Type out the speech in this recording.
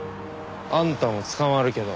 あんたも捕まるけど。